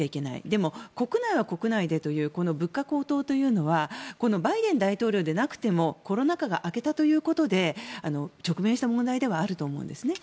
でも、国内は国内で物価高騰というのはバイデン大統領でなくてもコロナ禍が明けたということで直面した問題ではあると思うんですね。